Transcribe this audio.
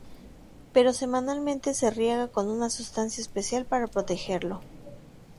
Pero semanalmente se riega con una sustancia especial para protegerlo".